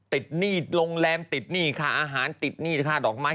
หนี้โรงแรมติดหนี้ค่าอาหารติดหนี้ค่าดอกไม้